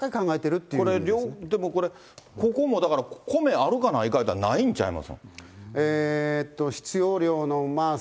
これ、ここもだから、コメあるかないか言うたら、ないんちゃいます。